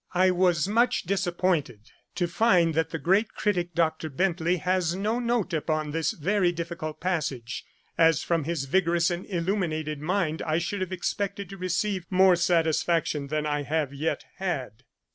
I was much disappointed to find that the great critick, Dr. Bentley, has no note upon this very difficult passage, as from his vigorous and illuminated mind I should have expected to receive more satisfaction than I have yet had.